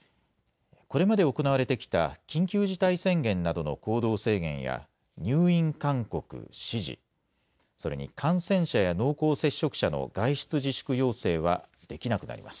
これまで行われてきた緊急事態宣言などの行動制限や、入院勧告・指示、それに感染者や濃厚接触者の外出自粛要請はできなくなります。